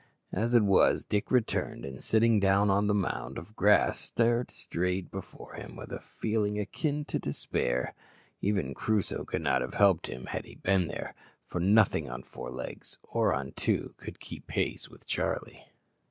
As it was, Dick returned, and sitting down on a mound of grass, stared straight before him with a feeling akin to despair. Even Crusoe could not have helped him had he been there, for nothing on four legs, or on two, could keep pace with Charlie.